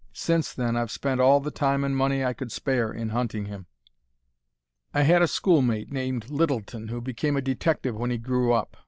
Since then I've spent all the time and money I could spare in hunting him. "I had a schoolmate named Littleton who became a detective when he grew up.